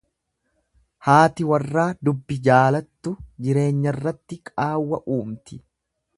Haati warraa dubbi jaalattu jireenyarratti qaawwa uumti.